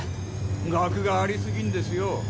学があり過ぎんですよ。